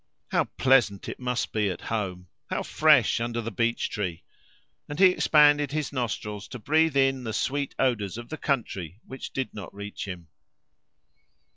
How pleasant it must be at home! How fresh under the beech tree! And he expanded his nostrils to breathe in the sweet odours of the country which did not reach him.